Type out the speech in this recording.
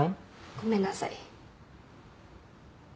ごめんなさい。